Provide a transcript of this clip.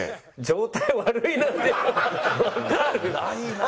ないな！